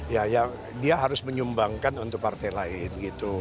yang harus menyumbangkan untuk partai lain